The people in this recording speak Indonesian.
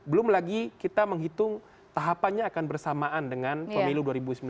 belum lagi kita menghitung tahapannya akan bersamaan dengan pemilu dua ribu sembilan belas